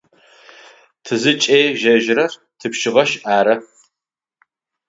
Тызыкӏежьэжьырэр тыпшъыгъэшъ ары.